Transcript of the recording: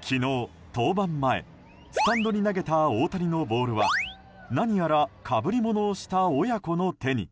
昨日、登板前スタンドに投げた大谷のボールは何やら、かぶりものをした親子の手に。